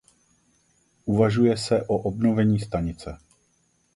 Uvažuje se o obnovení stanice.